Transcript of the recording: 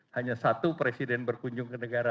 hanya satu presiden berkunjung ke negara